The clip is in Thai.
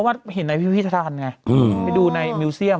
มันเป็น๙เหลี่ยมหรือ๘เหลี่ยม